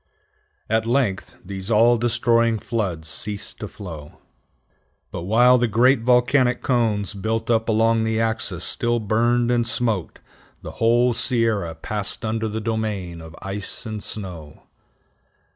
At length these all destroying floods ceased to flow. But while the great volcanic cones built up along the axis still burned and smoked, the whole Sierra passed under the domain of ice and snow.